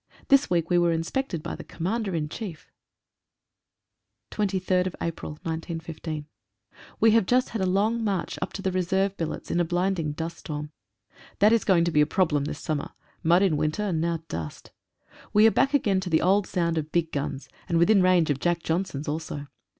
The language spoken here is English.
This week we were inspected by the Commander in Chief. «> H «> 23/4/15. E have just had a long march up to the reserve billets in a blinding dust storm. That is going to be a problem this summer — mud in winter, and now dust. We are back again to the old sound of big guns, and within range of "Jack Johnsons" also.